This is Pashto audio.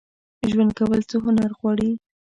ژوند کول څه هنر غواړي؟